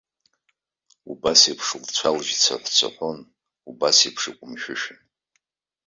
Убас еиԥш лцәалжьы цаҳәцаҳәон, убас еиԥшгьы иҟәымшәышәын.